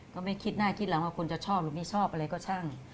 ก็ไม่คิดหน้าคิดหลังว่าคุณจะชอบหรือไม่ชอบอะไรก็ช่าง